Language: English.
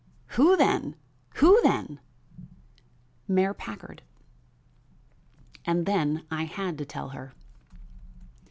"Who then? who then?" "Mayor Packard." And then I had to tell her.